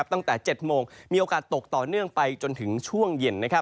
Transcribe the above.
ตั้งแต่๗โมงมีโอกาสตกต่อเนื่องไปจนถึงช่วงเย็น